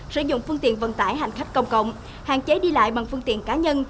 sử dụng phương tiện vận tải hành khách công cộng hạn chế đi lại bằng phương tiện cá nhân